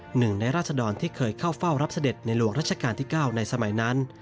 หนึ่งในราศดรที่เคยเข้าเฝ้ารับเสด็จในหลวงรัชกาลที่๙ในสมัยนั้น